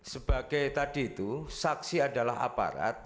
sebagai tadi itu saksi adalah aparat